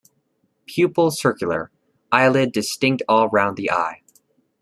Pupil circular; eyelid distinct all round the eye.